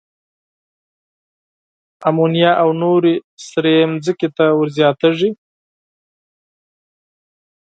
آمونیا او نورې سرې ځمکې ته ور زیاتیږي.